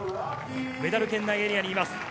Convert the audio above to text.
メダル圏内エリアにいます。